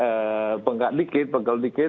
hanya bengkak sedikit bengkel sedikit